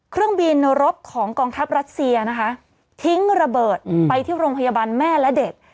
เครื่องบินรบของกองทัพรัสเซียนะคะทิ้งระเบิดไปที่โรงพยาบาลแม่และเด็ก